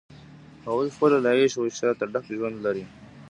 هغوی خپله له عیش و عشرته ډک ژوند لري.